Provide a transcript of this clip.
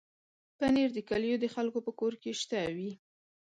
پنېر د کلیو د خلکو په کور کې شته وي.